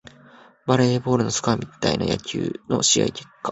バレーボールのスコアみたいな野球の試合結果